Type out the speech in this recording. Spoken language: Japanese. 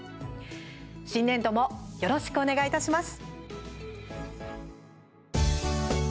新年度もよろしくお願いいたします。